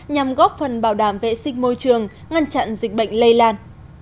nhằm góp phần bảo đảm vệ sinh môi trường ngăn chặn dịch bệnh lây lan